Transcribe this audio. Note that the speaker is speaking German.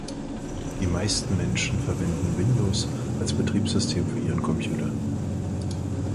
Die meisten Menschen verwenden Windows als Betriebssystem für ihren Computer.